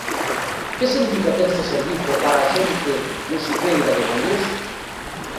Que significa ter este servizo para a xente musiqueira de Muros?